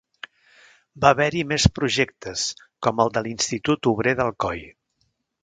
Va haver-hi més projectes, com el de l'Institut Obrer d'Alcoi.